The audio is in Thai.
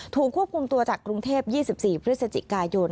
ถูกควบคุมตัวจากกรุงเทพ๒๔พฤศจิกายน